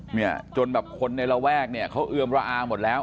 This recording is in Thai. เนี่ยจนแบบคนในระแวกเนี่ยเขาเอือมระอาหมดแล้ว